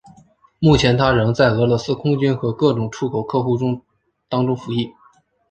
目前它仍在俄罗斯空军和各种出口客户当中服役。